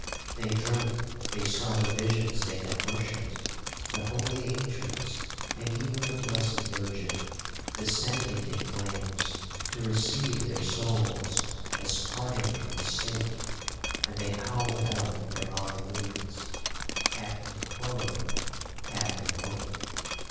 They dreamt they saw the visions they had worshipped,—the holy angels, and even the blessed virgin, descending in flames to receive their souls as parting from the stake; and they howled out their allelujahs half in horror, half in hope.